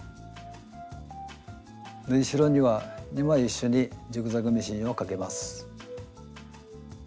縫いしろには２枚一緒にジグザグミシンをかけます。